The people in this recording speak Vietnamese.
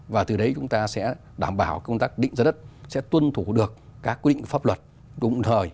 và từ đấy chúng ta sẽ đảm bảo công tác định giá đất sẽ tuân thủ được các quy định pháp luật đồng thời